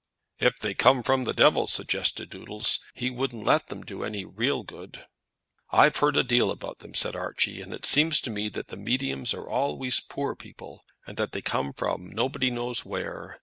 "If they come from the devil," suggested Doodles, "he wouldn't let them do any real good." "I've heard a deal about them," said Archie, "and it seems to me that the mediums are always poor people, and that they come from nobody knows where.